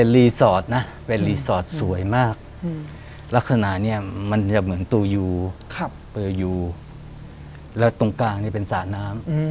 แล้วตรงกลางนี่เป็นสระน้ำ